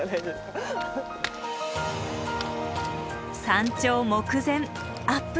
山頂目前アップ